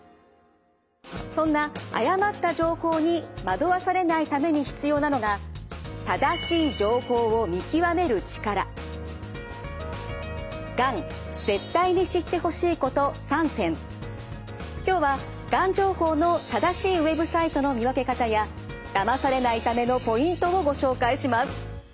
そんな誤った情報に惑わされないために必要なのが今日はがん情報の正しいＷＥＢサイトの見分け方やだまされないためのポイントをご紹介します。